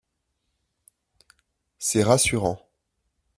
C’est rassurant